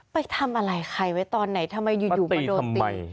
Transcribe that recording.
ไปทำอะไรใครไว้ตอนไหนทำไมอยู่อยู่มาโดนตีมาตีทำไม